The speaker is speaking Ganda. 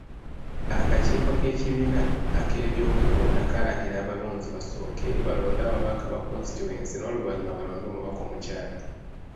Akakiiko k'ekibiina ak'ebyokulonda kaalagira abalonzi basooke balonde ababaka ba Kositityuwensi n'oluvannyuma balonde Omubaka omukyala.